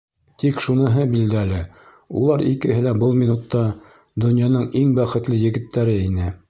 Тик шуныһы билдәле: улар икеһе лә был минутта донъяның иң бәхетле егеттәре ине.